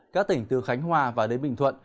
các tỉnh từ khánh hòa và đến bình thuận